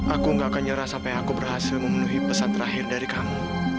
aku gak akan nyerah sampai aku berhasil memenuhi pesan terakhir dari kamu